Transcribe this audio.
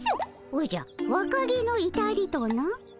おじゃ若気のいたりとな？